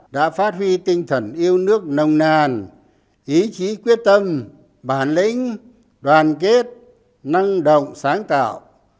đã phát huy tinh thần yêu nước nồng nàn ý chí quyết tâm bản lĩnh đoàn kết năng động sáng tạo